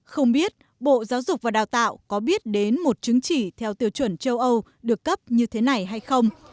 không biết bộ giáo dục và đào tạo có biết đến một chứng chỉ theo tiêu chuẩn châu âu được cấp như thế này hay không